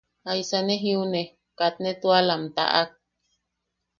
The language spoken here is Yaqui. Jaisa ne jiune... katne tuala am taʼak.